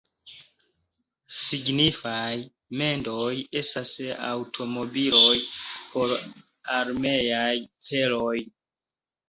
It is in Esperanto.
Signifaj mendoj estas aŭtomobiloj por armeaj celoj.